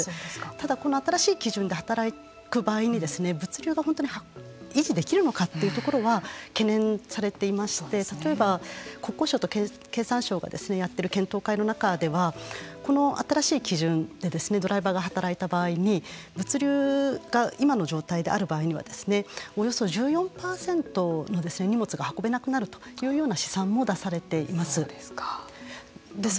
ただ、この新しい基準で働く場合に物流が本当に維持できるのかというところは懸念されていまして例えば国交省と経産省が検討会の中ではこの新しい基準でドライバーが働いた場合に物流が今の状態である場合にはおよそ１４％の荷物が運べなくなるという試算も出されています。